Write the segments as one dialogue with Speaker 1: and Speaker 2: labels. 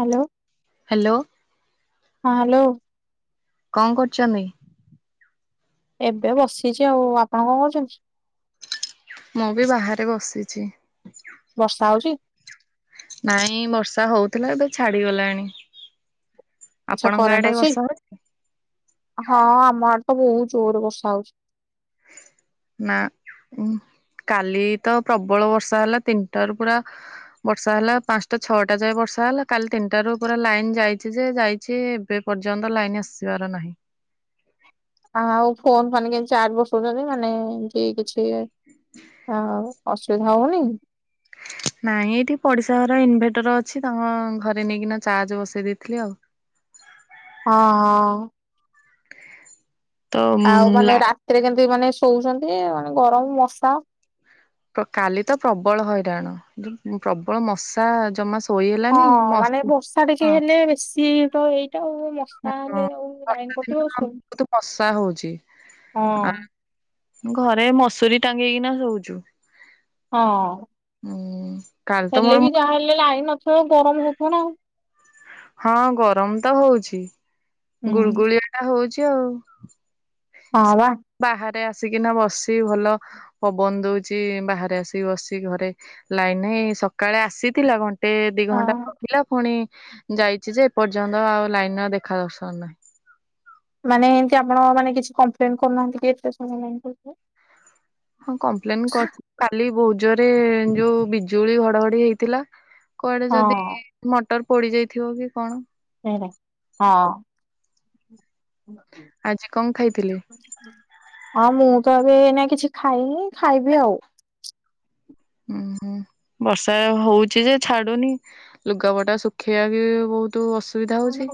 Speaker 1: Hello
Speaker 2: hello.
Speaker 1: ହଁ hello.
Speaker 2: କଣ କରୁଛନ୍ତି?
Speaker 1: ଏବେ ବସିଛି ଆଉ। ଆପଣ କଣ କରୁଛନ୍ତି?
Speaker 2: ମୁଁ ବି ବାହାରେ ବସିଛି।
Speaker 1: ବର୍ଷା ହଉଛି
Speaker 2: ନାଇଁ ବର୍ଷା ହଉ ଥିଲା, ଏବେ ଛାଡିଗଲାଣି।
Speaker 1: ଆଚ୍ଛା
Speaker 2: ଆପଣଙ୍କ
Speaker 1: କରେଣ୍ଟ
Speaker 2: ଆଡେ
Speaker 1: ଅଛି?
Speaker 2: ବର୍ଷା ହଉଛି?
Speaker 1: ହଁ ଆମ ଆମ ଆଡ଼େ ତ ବହୁତ ଜୋରରେ ବର୍ଷା ହଉଛି।
Speaker 2: ନା ଉଁ। କାଲି ତ ପ୍ରବଳ ବର୍ଷା ହେଲା, ତିନିଟାରୁ ପୁରା ବର୍ଷା ହେଲା ପାଞ୍ଚଟା ଛଅଟା ଯାଏ ବର୍ଷା ବର୍ଷା ହେଲା, କାଲି ତିନିଟାରୁ ପୁରା ଲାଇନ ଯାଇଛି ଯେ ଯାଇଛି ଏବେ ପର୍ଯ୍ୟନ୍ତ ଲାଇନ ଆସିବାର ନାହିଁ।
Speaker 1: ଆ ଆଉ ଫୋନ ଫାନ କେମତି ଚାର୍ଜ ବସଉଚନ୍ତି? ମାନେ ଏମତି କିଛି ହଁ ବା ଅସୁବିଧା ହଉନି କି?
Speaker 2: ନାଇଁ ଏଇଠି ପଡିଶା ଘର ଇନଭେଟର ଅଛି, ତାଙ୍କ ଅଁ ଘରେ ନେଇକିନା ଚାର୍ଜ ବସେଇ ଦେଇଥିଲି ଆଉ।
Speaker 1: ହଁ ହଁ।
Speaker 2: ତ
Speaker 1: ଆଉ ମାନେ
Speaker 2: ଲାଇନ
Speaker 1: ରାତିରେ କେମତି ମାନେ ଶୋଉଛନ୍ତି ପୁଣି ଗରମ, ମଶା
Speaker 2: କାଲି ତ ପ୍ରବଳ ହଇରାଣ, [unintelligible] ପ୍ରବଳ ମଶା ଜମା ଶୋ
Speaker 1: ହଁ ମାନେ ବର୍ଷା ଟିକେ ହେଲେ ବେଶୀ ତ ଏଇ ଏଇଟା ଆଉ
Speaker 2: ହଁ
Speaker 1: ବର୍ଷା ହେଲେ ଆଉ ଲାଇନ
Speaker 2: ବର୍ଷା
Speaker 1: କଟିବ ଆଉ
Speaker 2: ଦିନ
Speaker 1: ଶୋଇବୁ
Speaker 2: ବହୁତ ମଶା ହଉଛି। ଆ
Speaker 1: ହଁ।
Speaker 2: ଘରେ ମସୁରୀ ଟାଙ୍ଗିକିନା ଶୋଉଚୁ।
Speaker 1: ହଁ।
Speaker 2: କାଲି ତ
Speaker 1: ହେଲେ
Speaker 2: ମୋର
Speaker 1: ବି ଯାହାହଲେ ଲାଇନ୍ ନଥବ ଗରମ ହଉଥିବ ନା ଆଉ।
Speaker 2: ହଁ ଗରମ ତ ହଉଛି,
Speaker 1: ହୁଁ
Speaker 2: ଗୁଳଗୁଳିଆଟା ହଉଛି ଆଉ।
Speaker 1: ହଁ ବା
Speaker 2: ବାହାରେ ଆସି ଆସିକିନା ବସିଚି ଭଲ ପବନ ଦଉଚି, ବାହାରେ ଆସିକି ବସିି ଘରେ ଲାଇନ ନାହିଁ ସକାଳେ ଆସିଥିଲା, ଘନ୍ ଘଣ୍ଟେ ଦି ଘଣ୍ଟା
Speaker 1: ହଁ।
Speaker 2: ରଖିଲା ପୁଣି ଯାଇଛି ଯେ ଏପର୍ଯ୍ୟନ୍ତ ଆଉ ଲାଇନର ଦେଖା ଦର୍ଶନ ର୍ଶନ ନାହିଁ।
Speaker 1: ମାନେ ଏମତି ଆପଣ ମାନେ କିଛି କମ୍ପ୍ଲେନ୍ କରୁନାହାଁନ୍ତି କି ଏତେ ସମୟ ହେଲାଣି [unintelligible]
Speaker 2: ହଁ କମ୍ପ୍ଲେନ କରୁଛି କାଲି ବହୁତ ଜୋରେ ଯୋଉ ବିଜୁଳି ଘଡଘଡି ହେଇଥିଲା, କୁଆଡେ ଯଦି
Speaker 1: ହଁ
Speaker 2: ମ ଟର ପୋଡିଯାଇଥିବ କି କଣ।
Speaker 1: ହଁ।
Speaker 2: ଆଜି କଣ ଖାଇଥିଲେ?
Speaker 1: ଅଁ ମୁଁ ତ ଏବେ ଏଇନା କିଛି ଖାଇନି ଖାଇବି ଆଉ।
Speaker 2: ଉଁ ହୁଁ। ବର୍ଷା ହୋଉଚି ଯେ ଛାଡୁନି ଲୁଗାପଟା ଶୁଖେଇବା ବି ବୋହୁ ତୁ ଅସୁବିଧା ହୋଉଚି।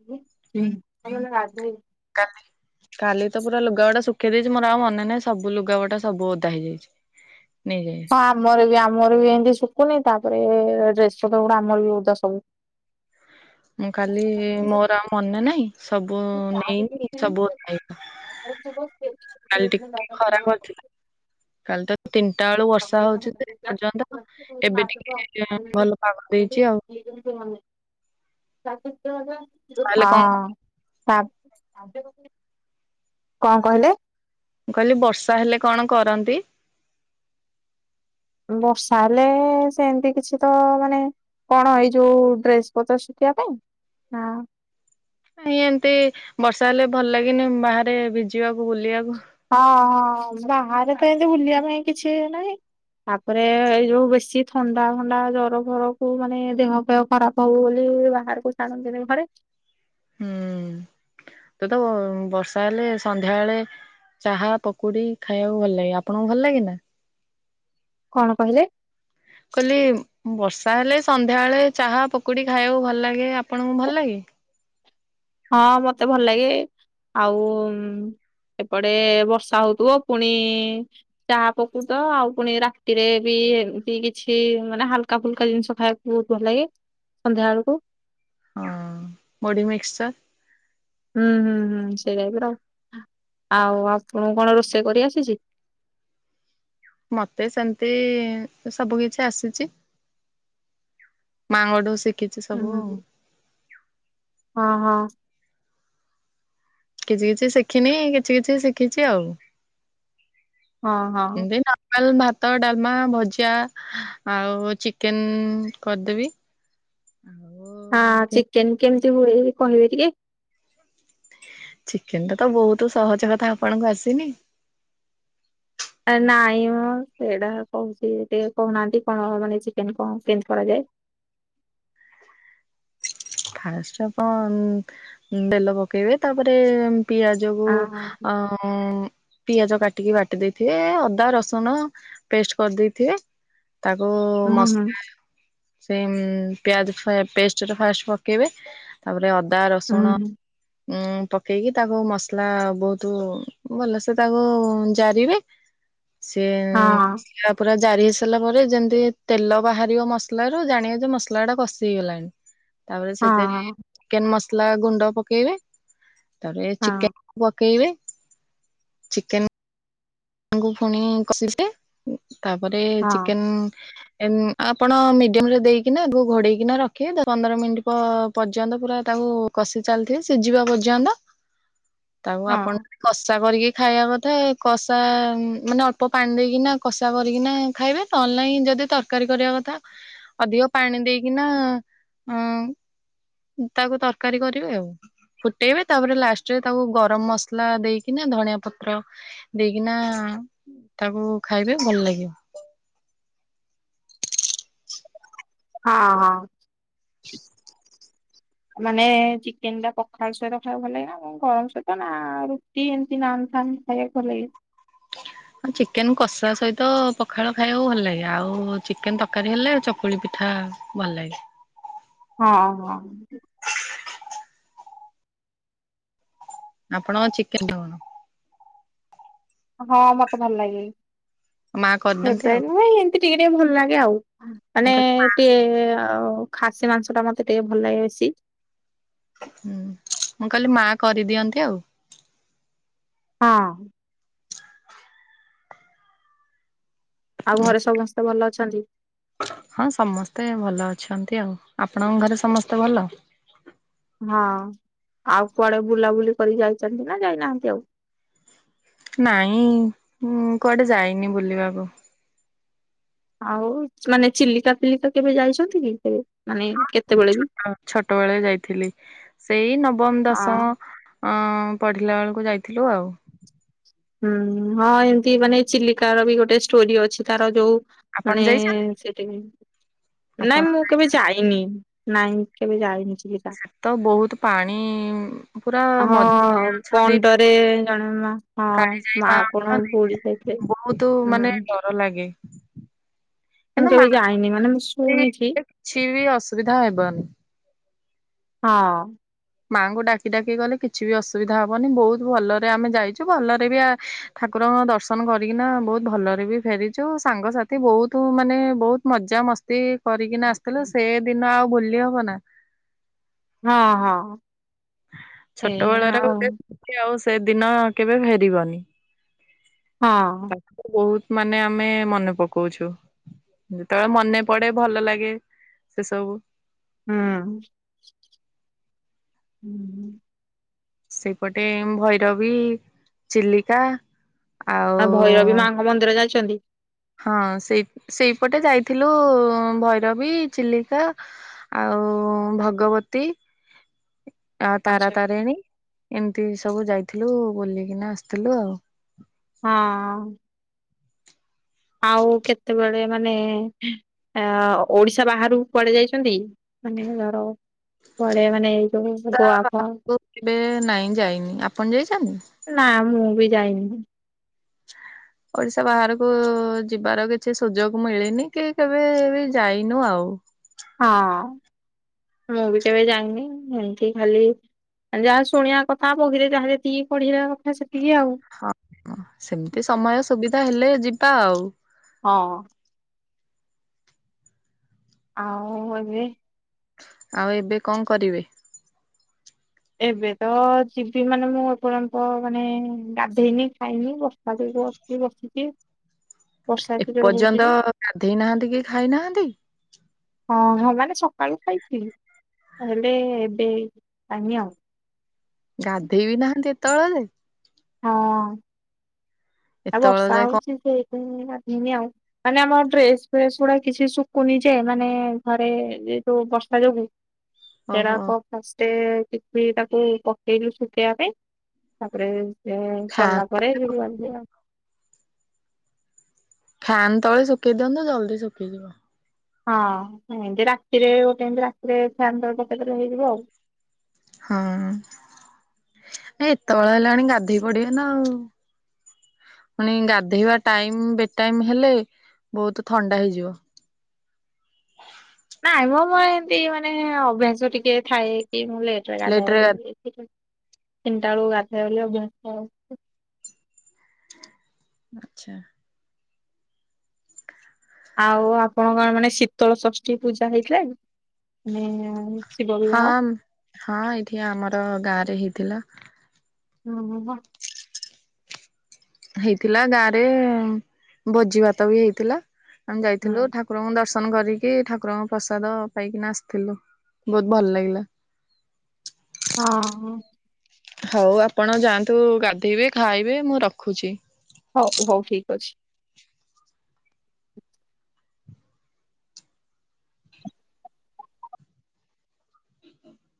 Speaker 1: ହୋଉ ନହଲେ ଗାଧେଇବି।
Speaker 2: କାଲି କାଲି ତ ପୁରା ଲୁଗାପଟା ଶୁଖେଇ ଦେଇଚି ମୋର ଆଉ ମନେ ନାହିଁ ସବୁ ଲୁଗାପଟା ସବୁ ଓଦା ହେଇଯାଇଚି।
Speaker 1: ହଁ ଆମର ବି ଆମର ବି ଏମତି ଶୁକୁନି ତାପରେ ଏ ଡ୍ରେସ ସବୁଗୁଡା ଆମର ବି ଓଦା ସବୁ।
Speaker 2: ମୁଁ କାଲି ମୋର ଆଉ ମନେନାହିଁ ସବୁ ନେଇକି ସବୁ କାଲି ଟିକେ ଖରା କରିଥିଲା
Speaker 1: [unintelligible]
Speaker 2: କାଲି ତ ତିନଟା ବେଳୁ ବର୍ଷା ହୋଉଚି ଯେ ଏ ପର୍ଯ୍ୟନ୍ତ ଏବେ ଟିକେ ଏ ଭଲ ପାଗ ଦେଇଛି ଆଉ ତାହେଲେ କଣ
Speaker 1: ଅଁ ଆ କଣ କହିଲେ?
Speaker 2: ମୁଁ କହିଲି ବର୍ଷା ହେଲେ କଣ କରନ୍ତି?
Speaker 1: ବର୍ଷା ହେଲେ ସେମତି କିଛି ତ ମାନେ କଣ ଏଇ ଯୋଉ ଡ୍ରେସ ପତ୍ର ଶୁଖେଇବା ପାଇଁ ନା
Speaker 2: ନାଇଁ ଏମତି ବର୍ଷା ହେଲେ ଭଲ ଲାଗେନି ବାହାରେ ଭିଜିବାକୁ, ବୁଲିବାକୁ।
Speaker 1: ହଁ ହଁ ବାହାରେ ତ ଏମତି ବୁଲିବା ପାଇଁ କିଛି ନାହିଁ। ତାପରେ ଏଇ ଯୋଉ ବେଶୀ ଥଣ୍ଡା ଫଣ୍ଡା ଜର ଫରକୁୁ ମାନେ ଦେହ ଫେହ ଖରାପ ହବ ବୋଲି। ଏଇ ବାହାରକୁ ଛାଡନ୍ତିନି ଘରେ।
Speaker 2: ହୁଁ ତ ତ ବର୍ଷା ହେଲେ ସନ୍ଧ୍ୟାବେଳେ ଚାହା, ପକୁଡି ଖାଇବାକୁ ଭଲ ଲାଗେ ଆପଣଙ୍କୁ ଭଲ ଲାଗେ ନା?
Speaker 1: କଣ କହିଲେ?
Speaker 2: କହିଲି ବର୍ଷା ହେଲେ ସନ୍ଧ୍ୟା ବେଳେ ଚାହା, ପକୁଡି, ଖାଇବାକୁ ଭଲଲାଗେ ଆପଣଙ୍କୁ ଭଲଲାଗେ? ଏ
Speaker 1: ହଁ ମତେ ଭଲ ଲାଗେ ଆଉ ଏପଟେ ବର୍ଷା ହୋଉଥୁବ ପୁଣି ଚାହା ପକୁଡି ତ ଆଉ ପୁଣି ରାତିରେ ବି କି ଏମତି କିଛି ମାନେ ହାଲକା ଫୁଲକା ଜିନିଷ ଖାଇବାକୁ ବୋହୁତ ଭଲ ଲାଗେ ସନ୍ଧ୍ୟା ବେଳକୁ।
Speaker 2: ହଁ ମୁଢି ମିକ୍ସଚର।
Speaker 1: ହୁଁ ହୁଁ ହୁଁ ସେଇରା ବିର ଆଉ ଆପଣଙ୍କୁ କଣ ରୋଷେଇ କରି ଆସିଚି?
Speaker 2: ମତେ ସେମତି ସବୁ କିଛି ଆସିଚି। ମାଆଙ୍କଠୁ ଶି
Speaker 1: ହୁଁ ହୁଁ ହଁ ହଁ।
Speaker 2: କିଛି କିଛି ଶିଖିନି କିଛି କିଛି ଶିଖିଚି ଆଉ।
Speaker 1: ହଁ ହଁ
Speaker 2: ଏମତି ନର୍ମାଲ୍ ଭା ଭାତ, ଡାଲମା, ଭଜା, ଆଉ ଚିକେନ୍ କରଦେବି।
Speaker 1: ହଁ ଚିକେନ୍ କେମତି ହୁଏ କି କହିବେ ଟିକେ।
Speaker 2: ଚିକେନଟା ତ ବୋହୁତୁ ସହଜ କଥା ଆପଣଙ୍କୁ ଆସିନି।
Speaker 1: ଏ ନାଇଁ ମ ସେଇଡା କୋହୁଚି ଟିକେ କୋହୁନାହାନ୍ତି କଣ ମାନେ ଚିକେନ୍ କଣ କେମତି କରାଯାଏ।
Speaker 2: ଫାଷ୍ଟ ଆପଣ ଉମ୍ ତେଲ ପକେଇବେ ତାପରେ ପିଆଜକୁୁ
Speaker 1: ହଁ
Speaker 2: ଅଁ ପିଆଜ କାଟିକି ବାଟି ଦେଇଥିବେ ଏ ଅଦା, ରସୁଣ ପେଷ୍ଟ କରିଦେଇଥିବେ। ତାକୁ
Speaker 1: ହଁ ହୁଁ
Speaker 2: ମସଲା ସେ ଉମ୍ ପିଆଜ ଫା ପେଷ୍ଟର ଫାଷ୍ଟ ପ ପକେଇବେ ତାପରେ ଅଦା,
Speaker 1: ହୁଁ
Speaker 2: ରସୁଣ
Speaker 1: ହୁଁ
Speaker 2: ଉଁ ପକେଇକି ତାକୁ ମସଲା ବୋହୁତ ଭଲସେ ତାକୁ ଜାରିବେ।
Speaker 1: ହଁ
Speaker 2: ସିମ୍ [unintelligible] ପୁରା ଜାରି ହେଇସାରିଲା ପରେ ଯେମିତି ତେଲ ବାହାରିବ ମସଲ ରୁ ଜାଣିବେ ଯେ ମସଲା ଟା କଷି ହେଇଗଲାଣି। ତାପରେ
Speaker 1: ହଁ
Speaker 2: ସେଥେରେ
Speaker 1: ହଁ।
Speaker 2: ଚିକେନ ମସଲା ଗୁଣ୍ଡ ପକେଇବେ ତାପରେ
Speaker 1: ହଁ
Speaker 2: ଚିକେନ ପ କେଇବେ ଚିକେନ୍ ତାଙ୍କୁ ଫୁଣି କଷିବେ ତାପରେ
Speaker 1: ହଁ
Speaker 2: ଚିକେନ ନ ଆପଣ ମିଡିୟମ ରେ ଦେଇକିନା ତାକୁ ଘୋଡେଇକିନା ରଖିବେ ଦ ପନ୍ଦର ମିନିଟ୍ ପ ପର୍ଯ୍ୟନ୍ତ ପୁରା ତା କୁ କଷି ଚାଲିଥିବେ ସିଝିବା ପର୍ଯ୍ୟନ୍ତ।
Speaker 1: [inaudible]
Speaker 2: ତାକୁ ଆପଣ ଯଦି କଷା କରିକି ଖାଇବା କଥା କସ୍ କଷା ମାନେ ଅଳ୍ପ ପାଣି ଦେଇକିନା କଷା କରିକିନା ଖାଇବେ ନହେଲେ ନାଇଁ ଯଦି ତରକାରୀ କରିବା କଥା ଅଧିକ ପାଣି ଦେଇକିନା ଅଁ
Speaker 1: [inaudible]
Speaker 2: ତାକୁ ତରକାରୀ କରିବେ ଆଉ। ଫୁଟେଇବେ ତାପରେ ଲାଷ୍ଟରେ ତାକୁ ଗରମ ମସଲା ଦେଇକିନା ଧଣିଆ ପତ୍ର ଦେଇକିନା। ତାକୁ ଖାଇବେ ଭଲ ଲାଗିବ।
Speaker 1: [inaudible] ହଁ ହଁ। ମାନେ ଚିକେନ ଟା ପଖାଳ ସହିତ ଖାଇବାକୁ ଭଲ ଲାଗେ ନା କଁ ଗରମ ସହିତ ନା ରୁଟି ଏମିତି ନାନ୍ ଫାନ୍ ନ୍ ଖାଇବାକୁ ଲାଗେ।
Speaker 2: ଆଉ ଚିକେନ କଷା ସହିତ ପଖାଳ ଖାଇବାକୁ ଭଲ ଲାଗେ ଆଉ ଚିକେନ ତକାରୀ ହେଲେ ଚକୁଳି ପିଠା। ହଁ ଭଲ ଲାଗେ।
Speaker 1: [inaudible] ହଁ ହଁ।
Speaker 2: ଆପଣ ଚିକେନ ଖାଉନ।
Speaker 1: ହଁ ମତେ ଭଲ ଲାଗେ।
Speaker 2: ମା କରିଦିଅନ୍ତି
Speaker 1: ହେତେ
Speaker 2: ଆଉ।
Speaker 1: ନୁହେଁ ଏନ୍ତି ଟିକେ ଟିକେ ଭଲ ଲାଗେ ଆଉ
Speaker 2: ମୁଁ
Speaker 1: ମାନେ
Speaker 2: କହିଲି
Speaker 1: ଟିକେ ଆଉ ଖାସି ମାଂସ ଟା ମତେ ଟିକେ ଭଲ ଲାଗେ ବେଶୀ।
Speaker 2: ହୁଁ ମୁଁ କହିଲି ମାଆ କରିଦିଅନ୍ତି ଆଉ।
Speaker 1: ହଁ। ଆଉ ଘରେ ସମସ୍ତେ ଭଲ ଅଛନ୍ତି।
Speaker 2: ହଁ ସମସ୍ତେ ଭଲ ଅଛନ୍ତି ଆଉ ଆପଣଙ୍କ ଘରେ ସମସ୍ତେ ଭଲ।
Speaker 1: ହଁ ଆଉ କୁଆଡେ ବୁଲାବୁଲି କରି ଯାଇଚନ୍ତି ନା ଯାଇନାହାନ୍ତି ଆଉ।
Speaker 2: ନାଇଁ କୁଆଡେ ଯାଇନି ବୁଲିବାକୁ।
Speaker 1: ଆଉ ମାନେ ଚିଲିକା ଫିଲିକା କେବେ ଯାଇଛନ୍ତି କି କେବେ। ମାନେ
Speaker 2: ମୁଁ
Speaker 1: କେତେବେଳେ ବି?
Speaker 2: ଛୋଟୋ ଛୋଟୋବେଳେ ଯାଇଥିଲି ସେଇ ନବମ
Speaker 1: ହଁ
Speaker 2: ଦଶମ ଅଁ ପଢିଲା ବେଳୁକୁ ଯାଇଥିଲୁ ଆଉ।
Speaker 1: ହୁଁ ହଁ ଏମିତି ମାନେ ଚିଲିକା ର ବି ଗୋଟେ ଷ୍ଟୋରି ଅଛି ତାର ଯୋଉ ମାନେ
Speaker 2: ଆପଣ ଯାଇଛନ୍ତି
Speaker 1: ସେଠି ନାଇଁ
Speaker 2: ଆପଣ
Speaker 1: ମୁଁ କେବେ ଯାଇନି। ନାଇଁ କେବେ ଯାଇନି।
Speaker 2: ସେ ତ ବହୁତ ପାଣି ପୁରା ମଝିରେ
Speaker 1: ହଁ
Speaker 2: ଅଛନ୍ତି
Speaker 1: କଣ୍ଡରେ ଜଣେ ମା ହଁ। ହଁ
Speaker 2: କାଳିଜାଇ
Speaker 1: ମା କଣ
Speaker 2: ଅଛନ୍ତି
Speaker 1: ବୁଡ଼ି ଯାଇଥେଲେ
Speaker 2: ବହୁତ ମାନେ
Speaker 1: ହୁଁ।
Speaker 2: ଡର ଲାଗେ
Speaker 1: ମୁଁ
Speaker 2: କିନ୍ତୁ
Speaker 1: କେବେ
Speaker 2: ମାଙ୍କ
Speaker 1: ଯାଇନି ମାନେ ମୁଁ ଶୁଣିଛି
Speaker 2: ପିଲା କିଛି ବି ଅସୁବିଧା ହେବନି।
Speaker 1: ହଁ।
Speaker 2: ମାଆଙ୍କୁ ଡାକି ଡାକି ଗଲେ କିଛି ବି ଅସୁବିଧା ହବନି ବୋହୁତ ଭଲରେ ଆମେ ଯାଇଚୁ ଭଲରେ ବି ଆ ଠାକୁ ରଙ୍କ ଦର୍ଶନ କରିକିନା ବୋହୁତ ଭଲରେ ବି ଫେରିଚୁ ସାଙ୍ଗସାଥି ବୋହୁତୁ ମାନେ ବୋହୁତ ମଜାମସ୍ତି କରିକିନା ଆସଥିଲୁ ସେ ଦିନ ଆଉ ଭୁଲି ହବ ନା।
Speaker 1: ହଁ ହଁ। ଏଇଆ
Speaker 2: ଛୋଟୋବେଳର
Speaker 1: ଆଉ
Speaker 2: ଗୋଟେ ସ୍ମୁତି ଆଉ ସେଦିନ ଆଉ କେବେ ଫେରିବନି।
Speaker 1: ହଁ
Speaker 2: ତାକୁ ବହୁତ୍ ମାନେ ଆମେ ମନେ ପକଉଛୁ। ଯେତବେଳେ ମନେ ପଡେ ଭଲ ଲାଗେ ସେ ସବୁ।
Speaker 1: ହୁଁ।
Speaker 2: ସେପଟେ ଭୈରବୀ ଚିଲିକା
Speaker 1: ଆ ଭୈରବୀ
Speaker 2: ଆଉ
Speaker 1: ମାଙ୍କ ମନ୍ଦିର ଯାଇଛନ୍ତି?
Speaker 2: ହଁ ସେଇ ସେଇପଟେ ଯାଇଥିଲୁ ଭୈରବୀ ଚିଲିକା ଆଉ ଓ ଭଗବତୀ
Speaker 1: [inaudible]
Speaker 2: ଆଉ ତାରା
Speaker 1: ଆଚ୍ଛା
Speaker 2: ତାରିଣୀ ଏମିତି ସବୁ ଯାଇଥିଲୁ ବୁଲିକିନା ଆସିଥିଲୁ ଆଉ।
Speaker 1: ହଁ। ଆଉ କେତେବେଳେ ମାନେ ଅ ଓଡିଶା ବାହାରକୁ କୁଆଡ଼େ ଯାଇଛନ୍ତି? ମାନେ ଗାର
Speaker 2: [unintelligible] ନାଇଁ ଯାଇନି ଆପଣ ଯାଇଛନ୍ତି?
Speaker 1: ନା ମୁଁ ବି ଯାଇନି।
Speaker 2: ଓଡିଶା ବାହାରକୁ ଯିବାର କିଛି ସୁଯୋଗ ମିଳିନି କି କେବେ ବି ଯାଇନୁ ଆଉ।
Speaker 1: ହଁ ମୁଁ ବି କେବେ ଜାଇନି। ଏମିତି ଖାଲି ଯାହା ଶୁଣିବା କଥା ବୁହି ରେ ଯାହା ଯେତିକି ପଢ଼ିବା କଥା ସେତିକି। ଆଉ
Speaker 2: ହଁ ସେମିତି ସମୟ ସୁବିଧା ହେଲେ ଯିବା ଆଉ।
Speaker 1: ଅ ହଁ। ଆଉ ଏବେ?
Speaker 2: ଆଉ ଏବେ କଣ କରିବେ?
Speaker 1: ଏବେ ତ ଯିବି ମାନେ ମୁଁ ଏପର୍ଯ୍ୟନ୍ତ ମାନେ ଗାଧେଇନି ଖାଇନି ବର୍ଷା ଆସି ବସିଛି। ବର୍ଷା ଏତେ ଜୋରେ ହଉଛି
Speaker 2: ଏପର୍ଯ୍ୟନ୍ତ
Speaker 1: ଯେ
Speaker 2: ଗାଧେଇ ନାହାନ୍ତି କି ଖାଇ ନାହାନ୍ତି?
Speaker 1: ହଁ ହଁ ମାନେ ସକାଳୁ ଖାଇଥିଲି ହେଲେ ଏବେ ଖାଇ ନି ଆଉ।
Speaker 2: ଗାଧେଇ ବିି ନାହାନ୍ତି ଏତଳ ଯାଏଁ?
Speaker 1: ହଁ ଆଉ
Speaker 2: ଏତେବେଳ
Speaker 1: ବର୍ଷା
Speaker 2: ଯାଏ କଣ
Speaker 1: ହଉଛି ଯେ [unintelligible] ଆଉ ମାନେ ଆମ ଡ୍ରେସ ଫେସ୍ ଗୁଡ଼ା କିଛି ଶୁଖୁନି ଯେ ମାନେ ଘରେ ଏ ଯୋଉ ବର୍ଷା ଯୋଗୁ
Speaker 2: ଓହୋ
Speaker 1: ସେଡ଼ାକ ଫାଷ୍ଟ ଏବେ ତାକୁ ପକେଇଲୁ ଶୁଖେଇବା ପାଇଁ ତାପରେ ସେ
Speaker 2: ଫ୍ୟାନ୍
Speaker 1: ସରିଲା ପରେ ଯିବି ଗାଧାଇବି ଆଉ।
Speaker 2: ଫ୍ୟାନ ତଳେ ଶୁଖେଇ ଦିଅନ୍ତୁ ଜଲଦି ଶୁଖିଯିବ।
Speaker 1: ହଁ ଏମିତି ରାତିରେ ଗୋଟେ ଏମିତି ରାତିରେ ଫ୍ୟାନ ତଳେ ପକେଇ ଦେଲେ ହେଇଯିବ ଆଉ।
Speaker 2: ହଁ। ନାଇଁ ଏତଳ ହେଲାଣି ଗାଧୋଇ ପଡ଼ିବ ନା ଆଉ? ପୁଣି ଗାଧେଇବା ଟାଇମ୍ ବେ ଟାଇମ୍ ହେଲେ ବହୁତ ଥଣ୍ଡା ହେଇଯିବ।
Speaker 1: ମୋର୍ ଅଭ୍ୟାସ ଟିକେ ଥାଏ କି ମୁଁ ଲେଟ୍ ରେ ଗାଧାଏ ବୋଲି ତିନିଟା ବେଳକୁ ଗାଧାଇବା ବୋଲି ଅଭ୍ୟାସ ଅଛି।
Speaker 2: ଆଚ୍ଛା।
Speaker 1: ଆଉ ଆପଣ କଣ ମାନେ ଶୀତଳ ଷଷ୍ଠୀ ପୂଜା ହେଇଥିଲା କି ମାନେ ଶିବ ବିବାହ?
Speaker 2: ହଁ ହଁ ଏଇଠି ଆମର ଗାଁରେ ହେଇଥିଲା।
Speaker 1: ହଁ ହୋ ବା।
Speaker 2: ହେଇଥିଲା ଗାଁ ରେ ଭୋଜି ଭାତ ବି ହେଇଥିଲା। ଆମେ ଯାଇଥିଲୁ ଠାକୁରଙ୍କୁ ଦର୍ଶନ ଦର୍ଶନ କରିକି ଠାକୁରଙ୍କ ପ୍ରସାଦ ପାଇକିନା ଆସିଥିଲୁ ବହୁତ ଭଲ ଲାଗିଲା।
Speaker 1: ହଁ।
Speaker 2: ହଉ ଆପଣ ଯାଆନ୍ତୁ ଗାଧେଇବେ ଖାଇବେ ମୁଁ ରଖୁଛି।
Speaker 1: ହଉ ହଉ ଠିକ୍ ଅଛି।